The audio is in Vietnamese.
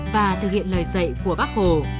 và thực hiện lời dạy của bác hồ